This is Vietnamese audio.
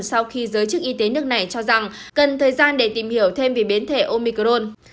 sau khi giới chức y tế nước này cho rằng cần thời gian để tìm hiểu thêm về biến thể omicron